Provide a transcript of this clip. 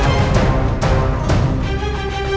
selamat mengelami kepadaku